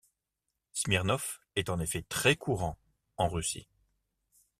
Smirnov est en effet très courant en Russie.